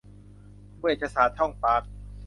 เวชศาสตร์ช่องปาก